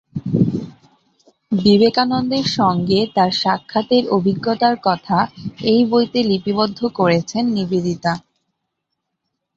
বিবেকানন্দের সঙ্গে তার সাক্ষাতের অভিজ্ঞতার কথা এই বইতে লিপিবদ্ধ করেন নিবেদিতা।